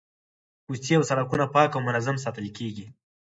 کوڅې او سړکونه پاک او منظم ساتل کیږي.